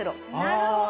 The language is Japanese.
なるほど。